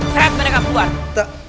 saya akan bantukan keluar